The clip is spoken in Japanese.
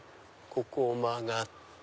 ここを曲がって。